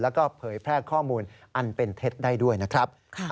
แล้วก็เผยแพร่ข้อมูลอันเป็นเท็จได้ด้วยนะครับ